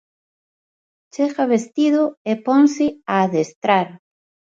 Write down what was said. Chega vestido e ponse a adestrar.